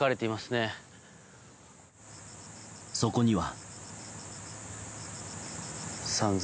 そこには。